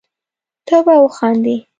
ته به وخاندي